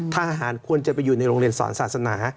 ควรจะไปอยู่ในโรงเรียนสอนศาสนา